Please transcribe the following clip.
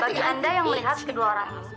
bagi anda yang melihat kedua orang